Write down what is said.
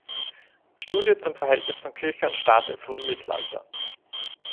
Studie zum Verhältnis von Kirche und Staat im früheren Mittelalter".